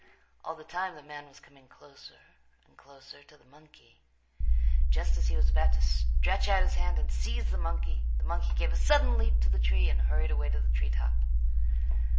All the time the man was coming closer and closer to the monkey. Just as he was about to stretch out his hand and seize the monkey, the monkey gave a sudden leap to the tree and hurried away to the tree top.